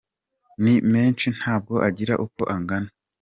Ni menshi ntabwo agira uko agana."